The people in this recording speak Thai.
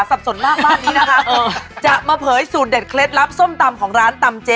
สับสนมากบ้านนี้นะคะจะมาเผยสูตรเด็ดเคล็ดลับส้มตำของร้านตำเจ๊